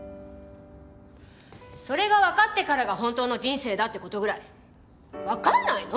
それがわかってからが本当の人生だって事ぐらいわかんないの？